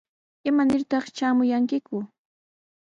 ¿Imanirtaq shamuyankiku?